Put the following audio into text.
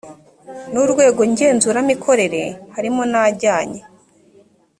n urwego ngenzuramikorere harimo n ajyanye